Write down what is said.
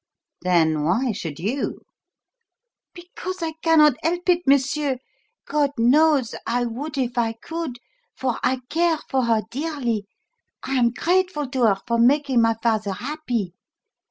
"Then why should you?" "Because I cannot help it, monsieur. God knows, I would if I could, for I care for her dearly I am grateful to her for making my father happy.